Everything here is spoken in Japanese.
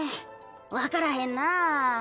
分からへんなぁ。